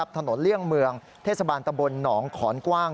เลี่ยงเมืองเทศบาลตะบลหนองขอนกว้าง